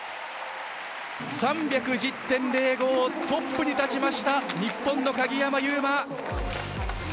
３１０．０５、トップに立ちました、日本の鍵山優真。